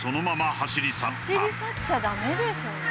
走り去っちゃダメでしょ。